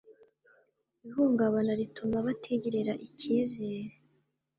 ihungabana rituma batigirira icyizere